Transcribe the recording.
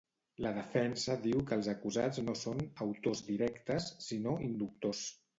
La defensa diu que els acusats no són "autors directes" sinó "inductors".